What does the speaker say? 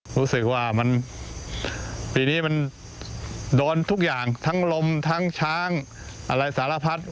รู้สึกว่ามันปีนี้มันโดนทุกอย่างทั้งลมทั้งช้างอะไรสารพัด